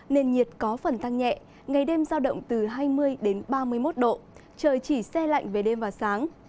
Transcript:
nền nhiệt có phần tăng nhẹ ngày đêm giao động từ hai mươi đến ba mươi một độ trời chỉ xe lạnh về đêm và sáng